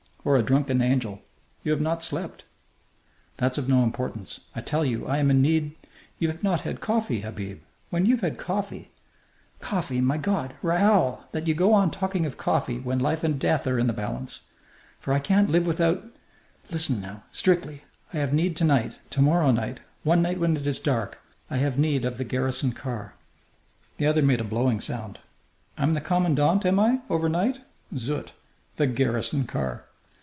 "Or a drunken angel. You have not slept." "That's of no importance. I tell you I am in need " "You've not had coffee, Habib. When you've had coffee " "Coffee! My God! Raoul, that you go on talking of coffee when life and death are in the balance! For I can't live without Listen, now! Strictly! I have need to night to morrow night one night when it is dark I have need of the garrison car." The other made a blowing sound. "I'm the commandant, am I, overnight? Zut! The garrison car!"